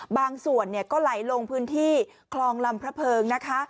บางส่วนก็ไหลลงพื้นที่คลองลำพระเพิงนะคะ